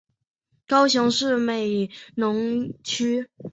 高雄市美浓区